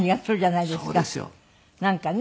なんかね。